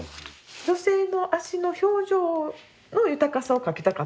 女性の足の表情の豊かさを描きたかったんですよね。